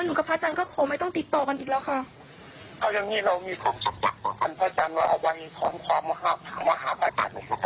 เพราะว่าพระอาจารย์ก็บอกเพราะว่าแป๊บ